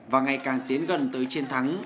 và ngày càng tiến gần tới chiến thắng